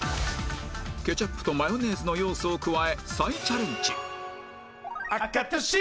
ケチャップとマヨネーズの要素を加え再チャレンジ「赤と白！